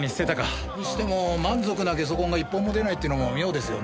にしても満足なゲソ痕が１本も出ないっていうのも妙ですよね。